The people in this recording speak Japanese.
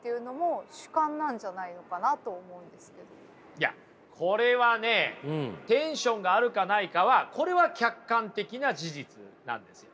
いやこれはねテンションがあるかないかはこれは客観的な事実なんですよ。